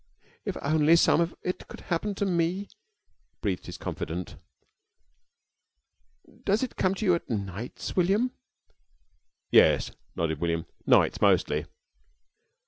"If only some of it could happen to me," breathed his confidante. "Does it come to you at nights, William?" "Yes," nodded William. "Nights mostly."